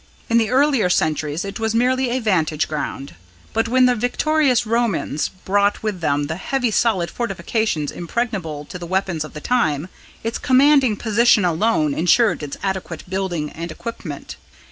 In the earlier centuries it was merely a vantage ground. But when the victorious Romans brought with them the heavy solid fortifications impregnable to the weapons of the time, its commanding position alone ensured its adequate building and equipment.